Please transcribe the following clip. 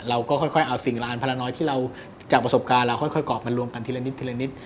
เราก็ค่อยเอาสิ่งล้านภาระน้อยที่เราจากประสบการณ์เราค่อยกรอบมารวมกันทีละนิดทีละนิด